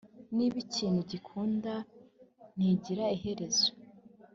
niba ikintu gikunda, ntigira iherezo.